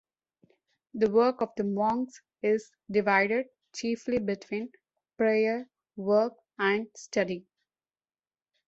The work of the monks is divided chiefly between prayer, work and study.